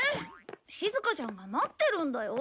しずかちゃんが待ってるんだよ。